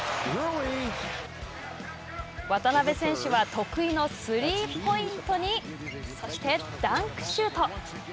渡邊選手は得意のスリーポイントにそしてダンクシュート。